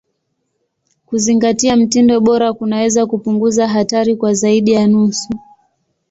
Kuzingatia mtindo bora kunaweza kupunguza hatari kwa zaidi ya nusu.